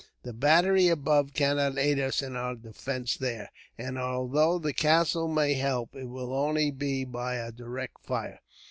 The battery above cannot aid us in our defence there; and although the castle may help, it will only be by a direct fire.